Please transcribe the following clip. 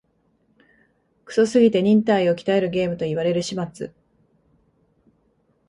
クソすぎて忍耐を鍛えるゲームと言われる始末